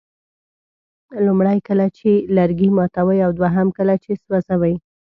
لومړی کله چې لرګي ماتوئ او دوهم کله چې سوځوئ.